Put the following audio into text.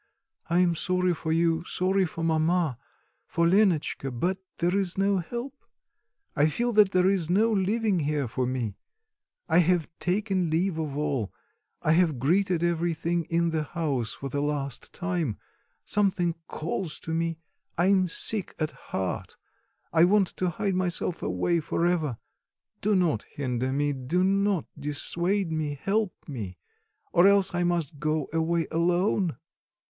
I am sorry for you, sorry for mamma, for Lenotchka; but there is no help; I feel that there is no living here for me; I have taken leave of all, I have greeted everything in the house for the last time; something calls to me; I am sick at heart, I want to hide myself away for ever. Do not hinder me, do not dissuade me, help me, or else I must go away alone."